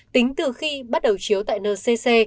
tính từ khi bắt đầu chiếu tại ncc